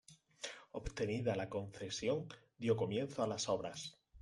Obtenida la concesión dio comienzo a las obras.